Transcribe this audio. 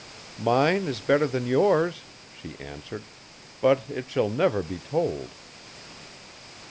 'Mine is better than yours,' she answered, 'but it shall never be told.'